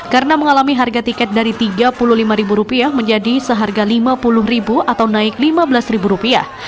karena mengalami harga tiket dari tiga puluh lima ribu rupiah menjadi seharga lima puluh ribu atau naik lima belas ribu rupiah